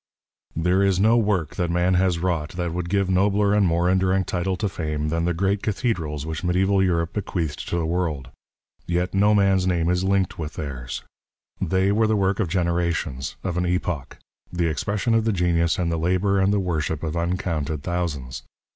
There is no work that man has wrought that would give nobler and more enduring title to fame than the great cathedrals which mediaeval Europe bequeathed to the world. Yet no man's name is linked with theirs. They were the work of generations, of an epoch, the expression of the genius and the labour and the worship of uncounted thousands.